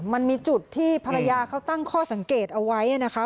มันมีจุดที่ภรรยาเขาตั้งข้อสังเกตเอาไว้นะคะ